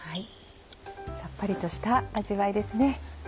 さっぱりとした味わいですね。